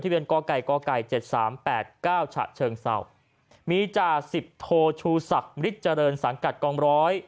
กไก่กไก่เจ็ดสามแปดเก้าฉะเชิงเศร้ามีจ่าสิบโทชูศักดิ์มฤทธเจริญสังกัดกองร้อย